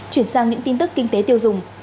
chuyển sang những tin tức kinh tế tiêu dùng